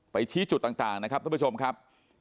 ชี้จุดต่างนะครับท่านผู้ชมครับ